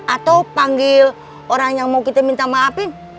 atau panggil orang yang mau kita minta maafin